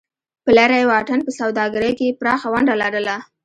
په لرې واټن په سوداګرۍ کې یې پراخه ونډه لرله.